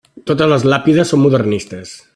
Totes les làpides són modernistes.